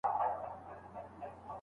دا دي كور دى دا دي اور.